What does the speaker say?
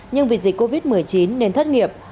nhưng vì dịch covid một mươi chín nên thất nghiệp